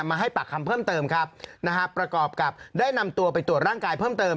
มาให้ปากคำเพิ่มเติมครับนะฮะประกอบกับได้นำตัวไปตรวจร่างกายเพิ่มเติม